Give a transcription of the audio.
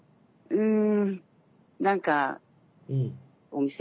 うん。